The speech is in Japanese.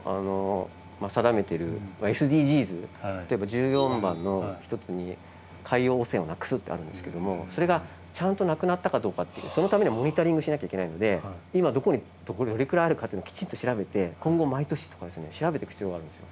１４番の一つに海洋汚染をなくすってあるんですけどもそれがちゃんとなくなったかどうかってそのためにはモニタリングしなきゃいけないので今どこにどれくらいあるかっていうのをきちんと調べて今後毎年とか調べていく必要があるんですよ。